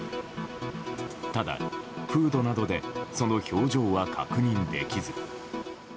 ただ、フードなどでその表情は確認できず。